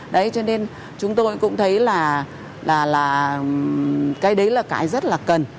đấy cho nên chúng tôi cũng thấy là cái đấy là cái rất là cần